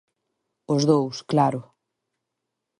Os dous, claro.